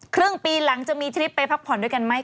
ครึ่งปีหลังจะมีทริปไปพักผ่อนด้วยกันไหม